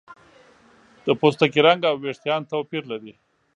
د پوستکي رنګ او ویښتان توپیر لري.